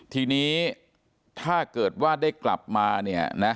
ทีนี้ถ้าเกิดว่าได้กลับมาเนี่ยนะ